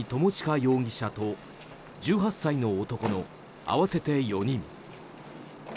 容疑者と１８歳の男の合わせて４人。